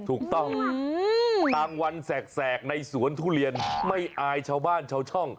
ถูกต้องกลางวันแสกในสวนทุเรียนไม่อายชาวบ้านชาวช่อง